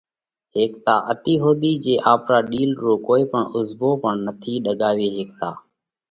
ھيڪتا اتي ۿُوڌِي جي آپرا ڏِيل رو ڪوئي اُزڀو پڻ نٿِي ڏڳاوي ھيڪتا.